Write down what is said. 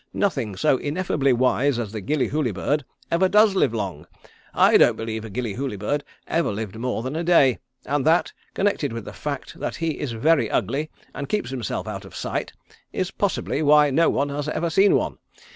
Nothing so ineffably wise as the Gillyhooly bird ever does live long. I don't believe a Gillyhooly bird ever lived more than a day, and that, connected with the fact that he is very ugly and keeps himself out of sight, is possibly why no one has ever seen one.